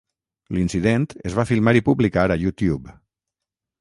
L'incident es va filmar i publicar a YouTube.